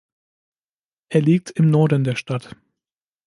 Er liegt im Norden der Stadt.